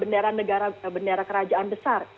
bendera negara bendera kerajaan besar